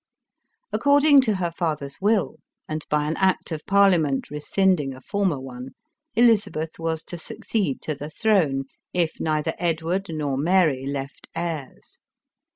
According to her father's will, and by an Act of 280 ELIZABETH OF ENGLAND. Parliament rescinding a former one, Elizabeth was to succeed to the throne, if neither Edward nor Mary left heirs.